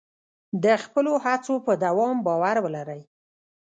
د خپلو هڅو په دوام باور ولرئ.